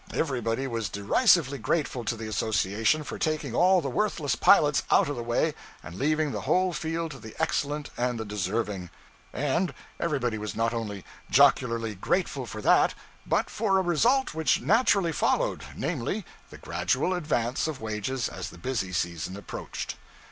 Everybody was derisively grateful to the association for taking all the worthless pilots out of the way and leaving the whole field to the excellent and the deserving; and everybody was not only jocularly grateful for that, but for a result which naturally followed, namely, the gradual advance of wages as the busy season approached.